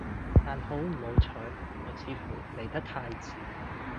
但好唔好彩，我似乎嚟得太遲